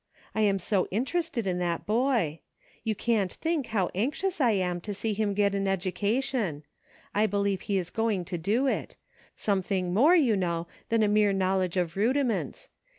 I am so interested in that boy. You can't think how anxious I am to see him get an education. I believe he is going to do it ; something more, you know, than a mere knowledge of rudiments.